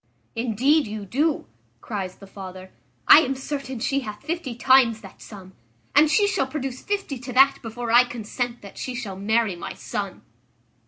"Indeed you do," cries the father; "I am certain she hath fifty times that sum, and she shall produce fifty to that before I consent that she shall marry my son."